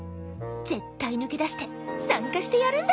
絶対抜け出して参加してやるんだから